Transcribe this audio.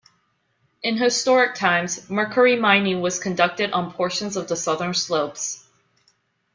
In historic times, mercury mining was conducted on portions of the southern slopes.